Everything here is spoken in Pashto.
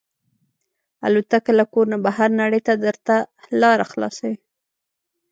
الوتکه له کور نه بهر نړۍ ته درته لاره خلاصوي.